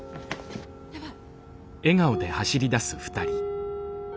やばい。